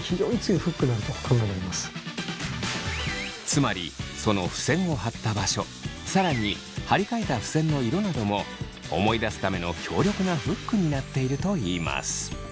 つまりそのふせんを貼った場所更に貼り替えたふせんの色なども思い出すための強力なフックになっているといいます。